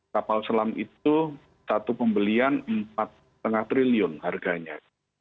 kapal selam itu satu pembelian empat lima triliun harganya